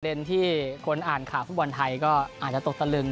ที่คนอ่านข่าวฟุตบอลไทยก็อาจจะตกตะลึง